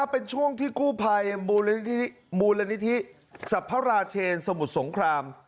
เป็นช่วงที่กู้ภัยมูลนิธิสรรพราเชนสมุทรสงคราม